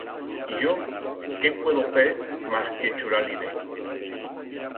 Y yo, qué puedo fer mas que churar-li-ne?